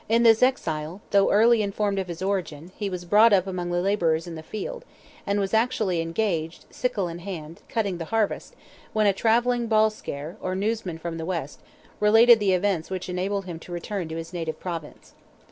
In this exile, though early informed of his origin, he was brought up among the labourers in the field, and was actually engaged, sickle in hand, cutting the harvest, when a travelling Bollscaire, or newsman from the west, related the events which enabled him to return to his native province.